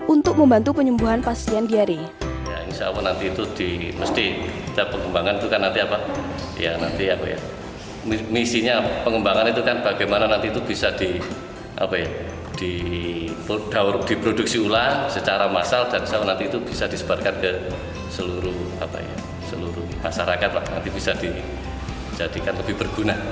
untuk membantu penyembuhan pasien diare